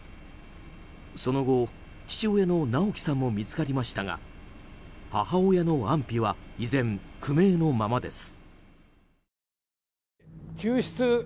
その後、父親の直樹さんも見つかりましたが母親の安否は依然不明のままです。